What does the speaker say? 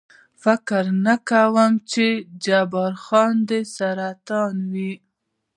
فکر نه کوم، چې جبار خان دې سرطان و.